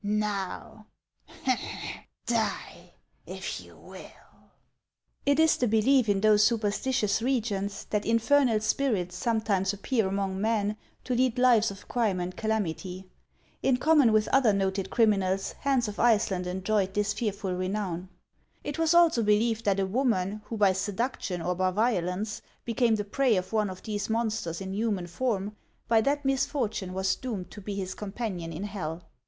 Now, die if you will." It is the belief in those superstitious regions that in fernal spirits sometimes appear among men to lead lives of crime and calamity. In common with other noted criminals, Hans of Iceland enjoyed this fearful renown. It was also believed that a woman, who by seduction or by violence, became the prey of one of these monsters in human form, by that misfortune was doomed to be his companion in hell.